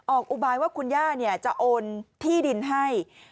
อุบายว่าคุณย่าจะโอนที่ดินให้